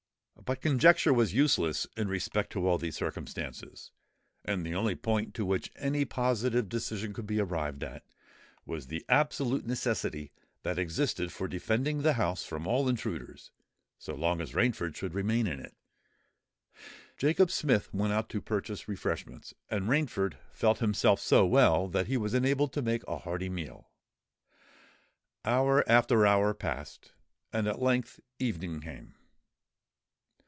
But conjecture was useless in respect to all these circumstances; and the only point to which any positive decision could be arrived at, was the absolute necessity that existed for defending the house from all intruders so long as Rainford should remain in it. Jacob Smith went out to purchase refreshments; and Rainford felt himself so well that he was enabled to make a hearty meal. Hour after hour passed; and at length evening came.